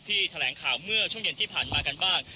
แถลงข่าวเมื่อช่วงเย็นที่ผ่านมากันบ้าง